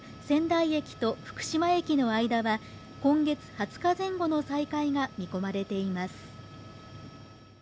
仙台駅と福島駅の間は今月２０日前後の再開が見込まれています。